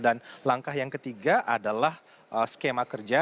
dan langkah yang ketiga adalah skema kerja